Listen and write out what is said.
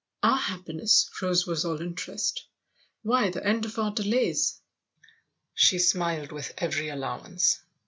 " Our happiness ?" Rose was all interest. " Why, the end of our delays." She smiled with every allowance.